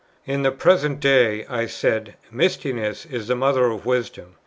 "In the present day," I said, "mistiness is the mother of wisdom.